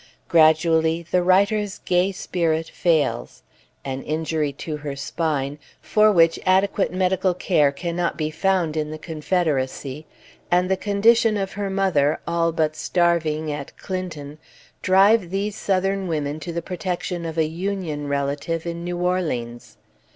Gradually, the writer's gay spirit fails; an injury to her spine, for which adequate medical care cannot be found in the Confederacy, and the condition of her mother, all but starving at Clinton, drive these Southern women to the protection of a Union relative in New Orleans.